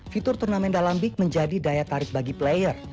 fitur turnamen dalam big menjadi daya tarik bagi player